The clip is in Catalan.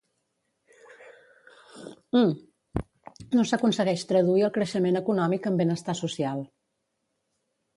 No s'aconsegueix traduir el creixement econòmic en benestar social.